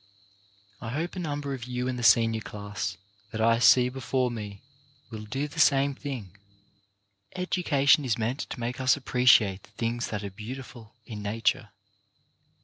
I hope a number of you in the senior class that I see before me will do the same thing. Education is meant to make us appreciate the things that are beautiful in nature.